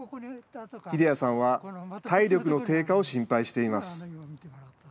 秀哉さんは体力の低下を心配しています。